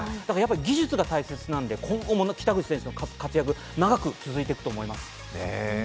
技術が大切なので今後も北口選手の活躍長く続いていくと思います。